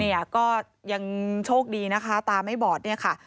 ก็ยังโชคดีนะคะตาไม่บอดเนี่ยค่ะ